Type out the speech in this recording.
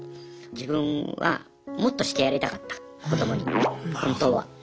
自分はもっとしてやりたかった子どもに本当は。